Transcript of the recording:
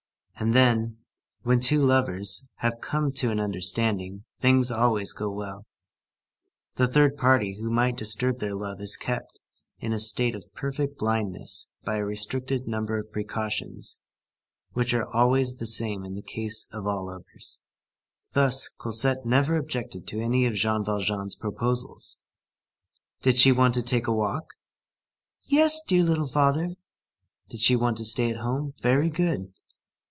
And then, when two lovers have come to an understanding, things always go well; the third party who might disturb their love is kept in a state of perfect blindness by a restricted number of precautions which are always the same in the case of all lovers. Thus, Cosette never objected to any of Jean Valjean's proposals. Did she want to take a walk? "Yes, dear little father." Did she want to stay at home? Very good.